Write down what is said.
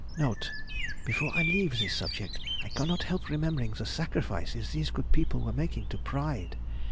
[Note.—Before I leave this subject I cannot help remembering the sacrifices these good people were making to pride.